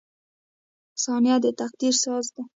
• ثانیه د تقدیر ساز دی.